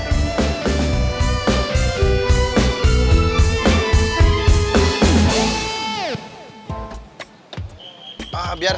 ini saya mau pulang dulu sebesar